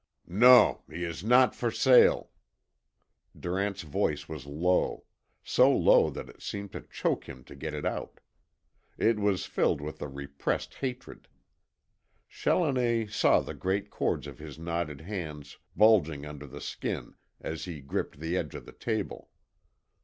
"Non, he is not for sale." Durant's voice was low; so low that it seemed to choke him to get it out. It was filled with a repressed hatred. Challoner saw the great cords of his knotted hands bulging under the skin as he gripped the edge of the table.